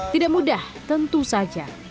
tidak mudah tentu saja